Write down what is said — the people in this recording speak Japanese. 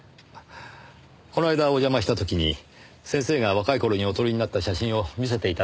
この間お邪魔した時に先生が若い頃にお撮りになった写真を見せて頂きました。